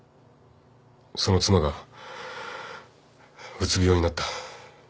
その妻がうつ病になった。